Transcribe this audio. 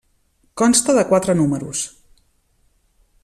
Consta de quatre números.